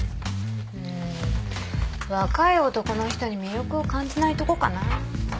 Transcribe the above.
うーん若い男の人に魅力を感じないとこかな。